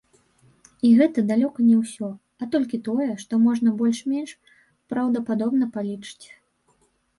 І гэта далёка не ўсё, а толькі тое, што можна больш-менш праўдападобна палічыць.